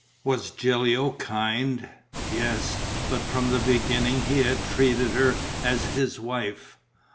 Was Gilio kind? Yes, but from the beginning he had treated her as "his wife."